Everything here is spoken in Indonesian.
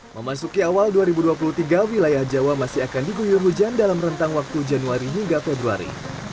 memasuki awal dua ribu dua puluh tiga wilayah jawa masih akan diguyur hujan dalam rentang waktu januari hingga februari